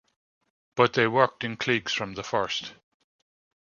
But they worked in cliques from the first.